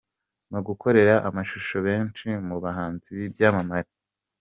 mu gukorera amashusho benshi mu bahanzi b'ibyamamare.